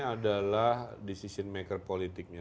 adalah decision maker politiknya